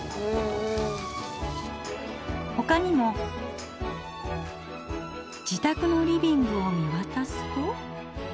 ほかにも自宅のリビングを見わたすと。